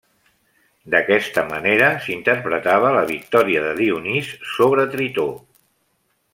D'aquesta manera s'interpretava la victòria de Dionís sobre Tritó.